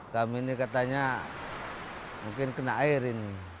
kami ini katanya mungkin kena air ini